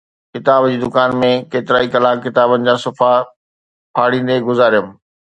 ڪتاب جي دڪان ۾ ڪيترائي ڪلاڪ ڪتابن جا صفحا ڦاڙيندي گذاريم